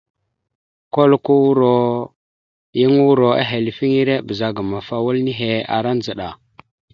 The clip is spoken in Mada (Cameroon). Koləko yan uro ehelefiŋere ɓəzagaam afa wal nehe ara ndzəɗa.